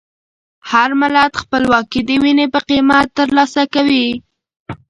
هر ملت خپلواکي د وینې په قیمت ترلاسه کوي.